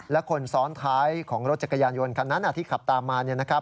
และคนซ้อนท้ายของรถจักรยานยนต์คันนั้นที่ขับตามมา